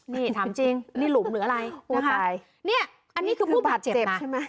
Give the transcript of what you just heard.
นี่ถามจริงนี่หลุมหรืออะไรนะคะเนี่ยอันนี้คือผู้บาดเจ็บนะใช่ไหม